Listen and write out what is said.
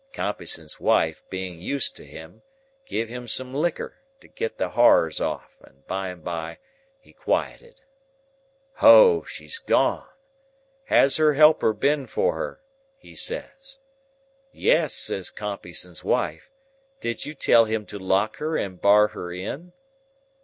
"Compeyson's wife, being used to him, giv him some liquor to get the horrors off, and by and by he quieted. 'O, she's gone! Has her keeper been for her?' he says. 'Yes,' says Compeyson's wife. 'Did you tell him to lock her and bar her in?